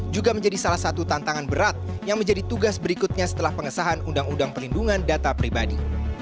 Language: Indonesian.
juga menjadi salah satu tantangan berat yang menjadi tugas berikutnya setelah pengesahan undang undang perlindungan data pribadi